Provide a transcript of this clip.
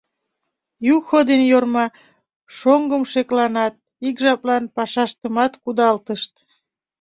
Юхо ден Йорма шоҥгым шекланат, ик жаплан пашаштымат кудалтышт.